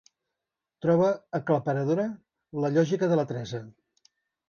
Troba aclaparadora la lògica de la Teresa.